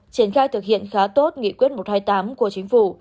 triển khai thực hiện khá tốt nghị quyết một trăm hai mươi tám của chính phủ